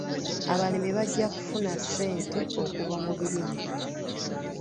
Abalimi bajja kufuna ssente okuva mu birime.